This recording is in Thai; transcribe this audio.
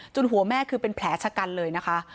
หัวแม่คือเป็นแผลชะกันเลยนะคะ